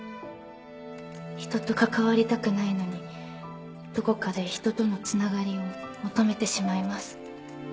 「人と関わりたくないのにどこかで人との繋がりを求めてしまいます」